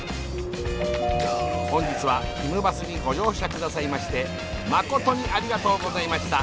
「本日はひむバスにご乗車下さいましてまことにありがとうございました。